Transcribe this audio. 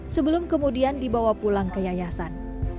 sebelum kemudian dibawa pulang ke yayasan